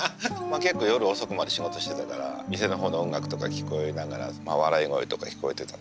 結構夜遅くまで仕事してたから店の方の音楽とか聞こえながら笑い声とか聞こえてたね。